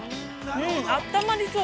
あったまりそう。